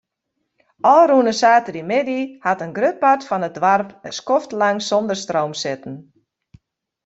Ofrûne saterdeitemiddei hat in grut part fan it doarp in skoftlang sûnder stroom sitten.